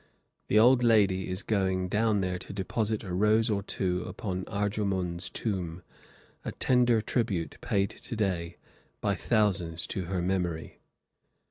The old lady is going down there to deposit a rose or two upon Arjumund's tomb, a tender tribute paid to day, by thousands, to her memory.